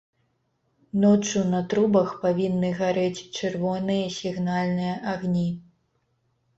Ноччу на трубах павінны гарэць чырвоныя сігнальныя агні.